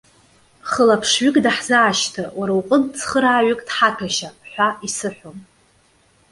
Хылаԥшҩык даҳзаашьҭы, уара уҟынтә цхырааҩык дҳаҭәашьа!- ҳәа исыҳәон.